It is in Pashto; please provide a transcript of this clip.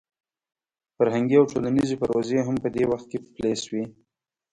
فرهنګي او ټولنیزې پروژې هم په دې وخت کې پلې شوې.